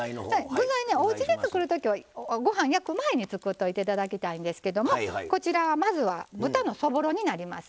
おうちで作るときはご飯を焼く前に作っておいていただきたいんですけどまずは豚のそぼろになります。